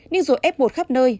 nhưng rồi f một khắp nơi